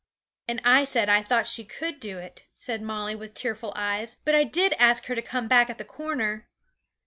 'And I said I thought she could do it,' said Molly with tearful eyes; 'but I did ask her to come back at the corner.'